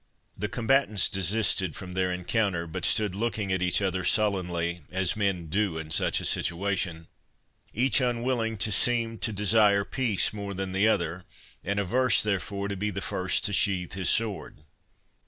'" The combatants desisted from their encounter, but stood looking at each other sullenly, as men do in such a situation, each unwilling to seem to desire peace more than the other, and averse therefore to be the first to sheathe his sword.